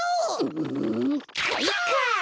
うんかいか！